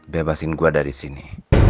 bebasin gue dari sini